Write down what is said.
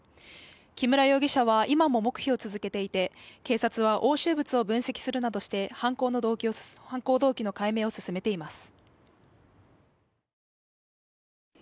木村容疑者は今も黙秘を続けていて、警察は押収物を分析するなどして犯行動機の解明を進めています。